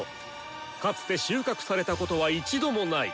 かつて収穫されたことは一度もない！